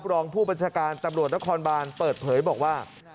รองผู้บัญชาการตำรวจนครบานเปิดเผยบอกว่า